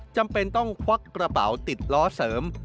จำเป็นต้องควักกระเป๋าติดล้อเสริม